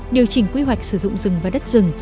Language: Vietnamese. điều chỉnh quy hoạch sử dụng rừng và đất rừng